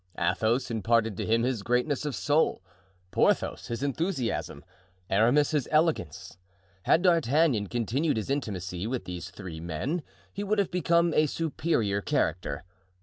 Athos imparted to him his greatness of soul, Porthos his enthusiasm, Aramis his elegance. Had D'Artagnan continued his intimacy with these three men he would have become a superior character.